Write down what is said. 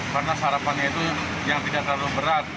karena sarapannya itu yang tidak terlalu berat